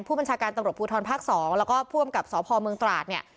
ผู้บัญชาการตำรวจภูทรภาค๒แล้วก็ผู้อำกับสพเมืองตราดเนี่ย